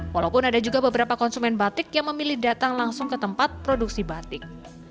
walaupun ada juga beberapa konsumen batik yang memilih datang langsung ke tempat produksi batik